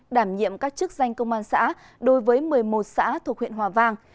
đảm nhiệm các chức danh công an xã đối với một mươi một xã thuộc huyện hòa vang